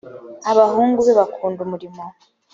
abahungu be bakunda umurimo.